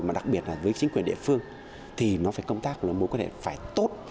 mà đặc biệt là với chính quyền địa phương thì nó phải công tác là mối quan hệ phải tốt